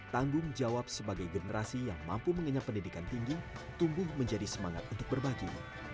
tanggung jawab sebagai generasi yang mampu mengenyang pendidikan tinggi tumbuh menjadi semangat untuk berbagi